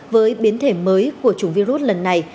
với biến thể mới của chủng virus lần này